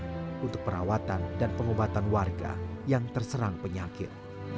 dan disiapkan untuk perawatan dan pengobatan warga yang terserang penyakit